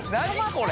これ。